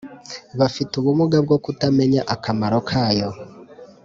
bafite ubumuga bwo kutamenya akamaro kayo.